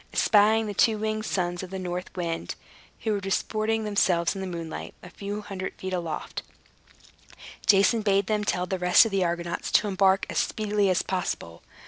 Espying the two winged sons of the North Wind (who were disporting themselves in the moonlight, a few hundred feet aloft), Jason bade them tell the rest of the Argonauts to embark as speedily as possible.